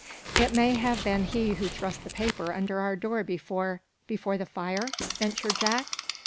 "It may have been he who thrust the paper under our door before before the fire?" ventured Jack.